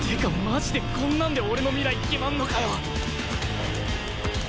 マジでこんなんで俺の未来決まんのかよ！